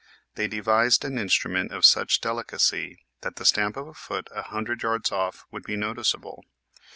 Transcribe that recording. They devised an instrument of such delicacy that the stamp of a foot a hundred yards off would be noticeable.